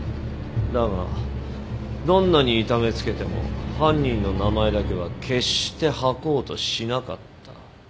だがどんなに痛めつけても犯人の名前だけは決して吐こうとしなかった。